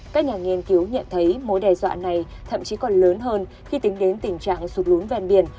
các nhà nghiên cứu nhận thấy mối đe dọa này thậm chí còn lớn hơn khi tính đến tình trạng sụt lún ven biển